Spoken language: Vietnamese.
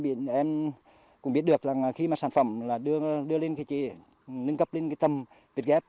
em cũng biết được khi sản phẩm đưa lên nâng cấp lên tầm vịt gắp